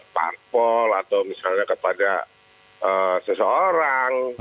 parpol atau misalnya kepada seseorang